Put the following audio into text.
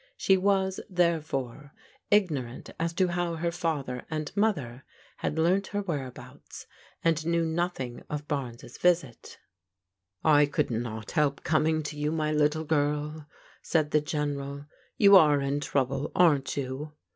She was, therefore, ignorant as to how her father and mother had THE HOME OP THE BARNES 289 eamt her whereabouts and knew nothing of Barnes^ irisit. " I could not help coming to you, my little girl," said the General. " You are in trouble, aren't you